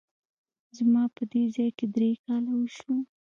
زما په دې ځای کي درې کاله وشوه !